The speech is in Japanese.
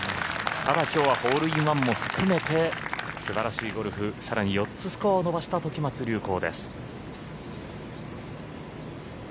ただきょうはホールインワンも含めて素晴らしいゴルフさらに４つスコアを伸ばした時松隆光です。